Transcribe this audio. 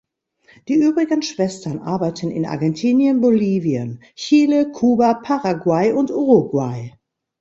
Die übrigen Schwestern arbeiten in Argentinien, Bolivien, Chile, Kuba, Paraguay und Uruguay.